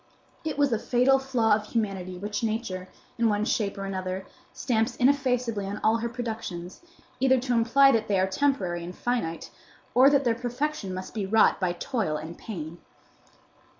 It was the fatal flaw of humanity which Nature, in one shape or another, stamps ineffaceably on all her productions, either to imply that they are temporary and finite, or that their perfection must be wrought by toil and pain.